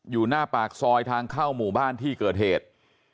อยู่หน้าปากซอยทางเข้าหมู่บ้านที่เกิดเหตุ